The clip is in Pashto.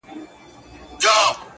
چي مو ښارته ده راغلې یوه ښکلې!!